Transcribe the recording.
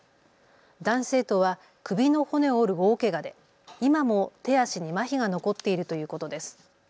男子生徒は首の骨を折る大けがで今も手足にまひが残っているということです。